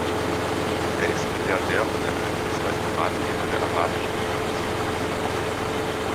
Er ist Milliardär und ein einflussreicher Ratgeber der arabischen Königsfamilie.